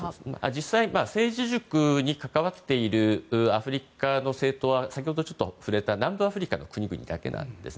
実際、政治塾に関わっているアフリカの政党は先ほどちょっと触れた南部アフリカの国々だけです。